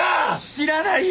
知らないよ！